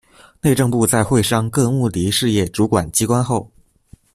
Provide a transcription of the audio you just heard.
內政部在會商各目的事業主管機關後